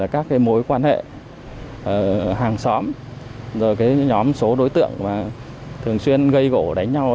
các mối quan hệ hàng xóm rồi nhóm số đối tượng thường xuyên gây gỗ đánh nhau